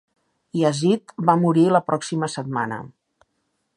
Yazid va morir la pròxima setmana.